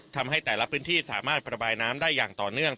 ทำให้แต่ละพื้นที่สามารถประบายน้ำได้อย่างต่อเนื่อง